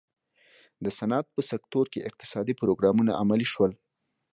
د صنعت په سکتور کې اقتصادي پروګرامونه عملي شول.